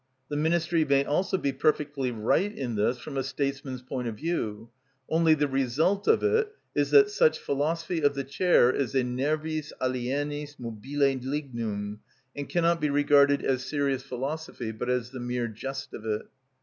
The ministry may also be perfectly right in this from a statesman's point of view; only the result of it is that such philosophy of the chair is a nervis alienis mobile lignum, and cannot be regarded as serious philosophy, but as the mere jest of it.